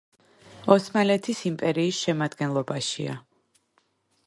ოსმალეთის იმპერიის შემადგენლობაშია.